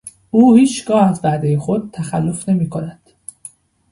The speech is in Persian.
او هیچگاه از وعدهٔ خود تخلف نمیکند.